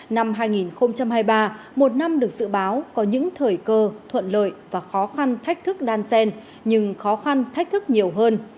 năm hai nghìn hai mươi ba một năm được dự báo có những thời cơ thuận lợi và khó khăn thách thức đan sen nhưng khó khăn thách thức nhiều hơn